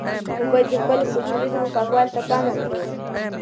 موږ باید د خپلو کلتوري سیمو پاکوالي ته پام وکړو.